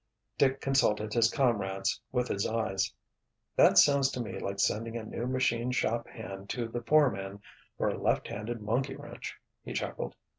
Dick consulted his comrades with his eyes. "That sounds to me like sending a new machine shop hand to the foreman for a left handed monkey wrench," he chuckled.